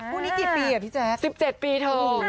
คู่นี้กี่ปีอ่ะพี่แจ๊บหนักมากค่ะ๑๗ปีเถอะ